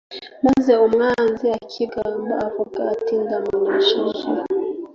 maze umwanzi akigamba avuga ati Ndamunesheje